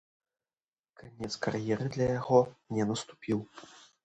Канец кар'еры для яго не наступіў.